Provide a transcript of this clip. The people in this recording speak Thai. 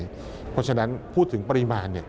เพราะฉะนั้นพูดถึงปริมาณ